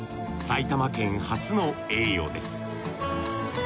埼玉県初の栄誉です。